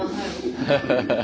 ハハハハハ。